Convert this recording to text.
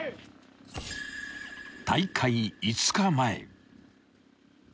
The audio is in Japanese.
［大会５日前］